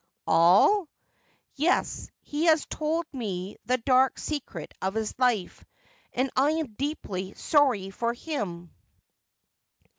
' All 1 '' Yes, he has told me the dark secret of his life — and I am deeply sorry for him.'